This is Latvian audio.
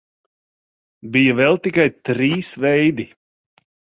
Bija vēl tikai trīs veidi.